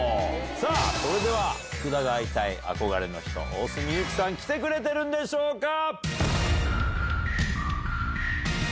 それでは福田が会いたい憧れの人大角ゆきさん来てくれてるでしょうか？